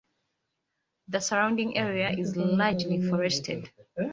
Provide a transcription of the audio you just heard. The surrounding area is largely forested.